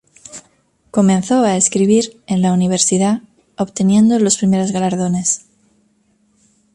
Comenzó a escribir en a universidad obteniendo los primeros galardones.